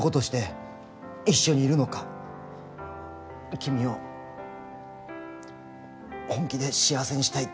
君を本気で幸せにしたいってそう思ってる。